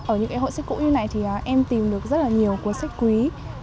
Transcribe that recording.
ở những hội sách cũ như này thì em tìm được rất là nhiều cuốn sách quý